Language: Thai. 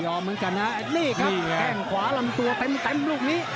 เหมือนกันนะนี่ครับแข้งขวาลำตัวเต็มลูกนี้